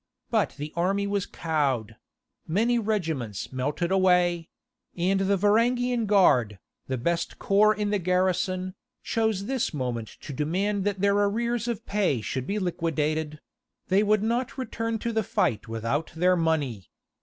But the army was cowed; many regiments melted away; and the Varangian Guard, the best corps in the garrison, chose this moment to demand that their arrears of pay should be liquidated; they would not return to the fight without their money!